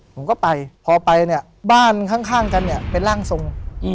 ผมก็ไปพอไปเนี่ยบ้านข้างกันเนี่ยเป็นร่างทรง